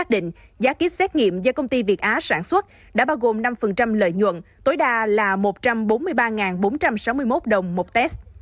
đã bao gồm năm lợi nhuận tối đa là một trăm bốn mươi ba bốn trăm sáu mươi một đồng một test